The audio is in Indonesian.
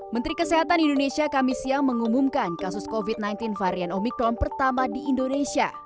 menteri kesehatan indonesia kami siang mengumumkan kasus covid sembilan belas varian omikron pertama di indonesia